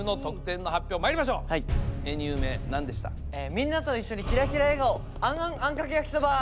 みんなと一緒にキラキラ笑顔あんあんあんかけ焼きそば！